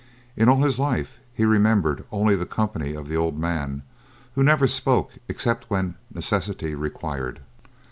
In all his life, he remembered only the company of the old man, who never spoke except when necessity required.